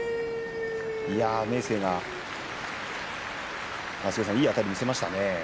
明生がいいあたり見せましたね。